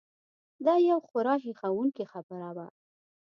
دا یو خورا هیښوونکې خبره وه.